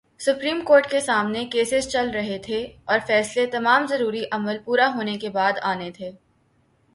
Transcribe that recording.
Supreme court کے سامنے cases چل رہے تھے اور فیصلے تمام ضروری عمل پورا ہونے کے بعد آنے تھے۔